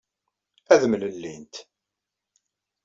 Ad mlellint.